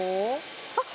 あ！